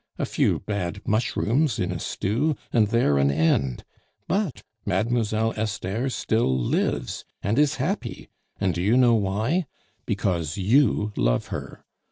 A few bad mushrooms in a stew and there an end. But Mademoiselle Esther still lives! and is happy! And do you know why? Because you love her.